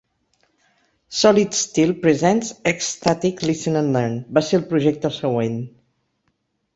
"Solid Steel Presents Hexstatic - Listen and Learn" va ser el projecte següent.